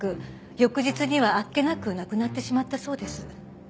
翌日にはあっけなく亡くなってしまったそうです。